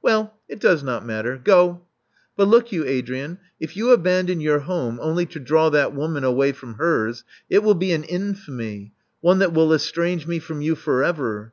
Well, it does not matter. Go. But look you, Adrian, if you abandon your home only to draw that woman away from hers, it will be an infamy — one that will estrange me from you for ever.